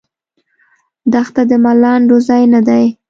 دښته د ملنډو ځای نه دی.